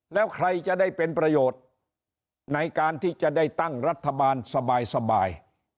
แล้วใครจะได้เป็นประโยชน์ในการที่จะได้ตั้งรัฐบาลสบาย